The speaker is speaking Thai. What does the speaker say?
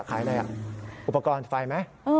ขายอะไรอ่ะอุปกรณ์ไฟไหม